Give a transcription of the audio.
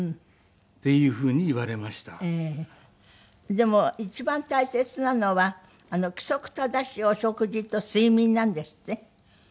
でも一番大切なのは規則正しいお食事と睡眠なんですって？